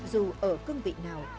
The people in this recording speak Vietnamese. dù ở cương vị nào